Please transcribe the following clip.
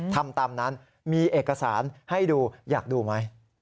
ทำตามนั้นมีเอกสารให้ดูอยากดูไหม